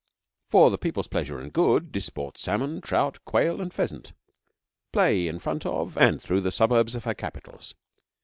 For the people's pleasure and good disport salmon, trout, quail, and pheasant play in front of and through the suburbs of her capitals.